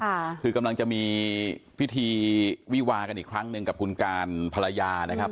ค่ะคือกำลังจะมีพิธีวิวากันอีกครั้งหนึ่งกับคุณการภรรยานะครับ